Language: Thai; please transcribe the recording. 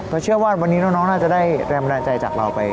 เชื่อว่าวันนี้น้องน่าจะได้แรงบันดาลใจจากเราไป